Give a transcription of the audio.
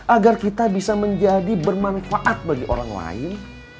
agar kita bisa menjadi bermanfaat bagi orang lain